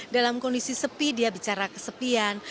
dalam kondisi sepi dia bicara kesepian